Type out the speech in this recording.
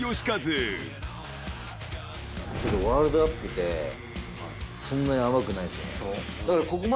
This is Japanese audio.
ワールドカップってそんなに甘くないんですよね。